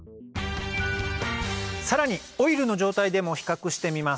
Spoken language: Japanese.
さらにオイルの状態でも比較してみます